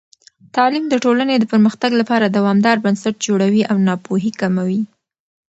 تعلیم د ټولنې د پرمختګ لپاره دوامدار بنسټ جوړوي او ناپوهي کموي.